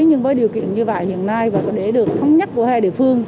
nhưng với điều kiện như vậy hiện nay và để được thống nhất của hai địa phương